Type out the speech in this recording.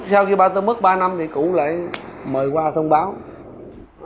sau khi bà ta mất ba năm thì cụ lại mời qua thông báo